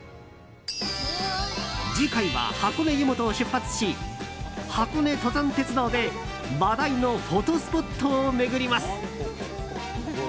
次回は箱根湯本を出発し箱根登山鉄道で話題のフォトスポットを巡ります。